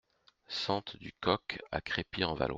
Sente du Coq à Crépy-en-Valois